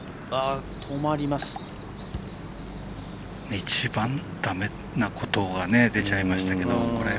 一番だめなことが出ちゃいましたけど。